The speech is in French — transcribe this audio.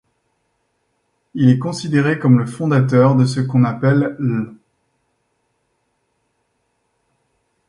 Il est considéré comme le fondateur de ce qu'on appelle l'.